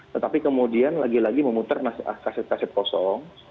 tetapi kemudian lagi lagi memutar kaset kaset kosong